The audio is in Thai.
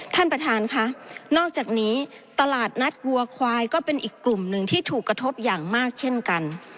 ท่านประธานค่ะนอกจากนี้ตลาดนัดวัวควายก็เป็นอีกกลุ่มหนึ่งที่ถูกกระทบอย่างมากเช่นกัน